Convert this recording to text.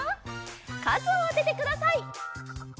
かずをあててください。